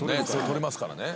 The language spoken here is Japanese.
取れますからね。